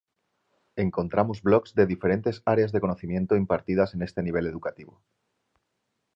Encontramos blogs de diferentes áreas de conocimiento impartidas en este nivel educativo.